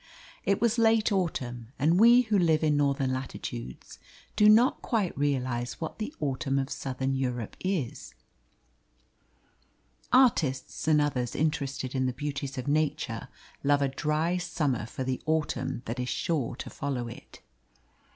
It was late autumn, and we who live in Northern latitudes do not quite realise what the autumn of Southern Europe is. Artists and others interested in the beauties of nature love a dry summer for the autumn that is sure to follow it.